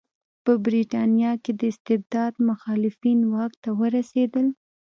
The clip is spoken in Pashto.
په برېټانیا کې د استبداد مخالفین واک ته ورسېدل.